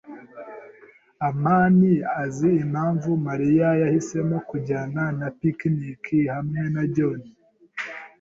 amani azi impamvu Mariya yahisemo kutajyana na picnic hamwe na John.